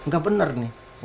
gak bener nih